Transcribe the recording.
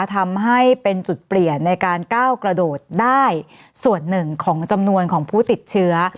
ทำให้เป็นจุดเปลี่ยนในการก้าวกระโดดได้ส่วนหนึ่งของจำนวนของผู้ติดเชื้อ